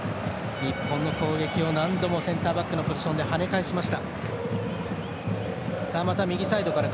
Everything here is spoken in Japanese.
日本の攻撃を何度もセンターバックのポジションで、はね返しました。